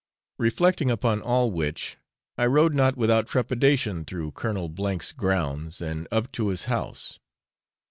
Reflecting upon all which, I rode not without trepidation through Colonel H 's grounds, and up to his house.